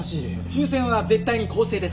抽選は絶対に公正です。